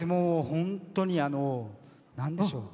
本当に、なんでしょう。